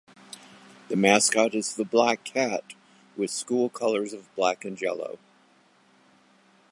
The mascot is the Black Cat with school colors of black and yellow.